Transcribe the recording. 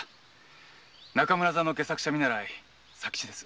中村座の戯作者見習い左吉です。